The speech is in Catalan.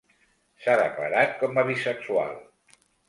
S'ha declarat com a bisexual.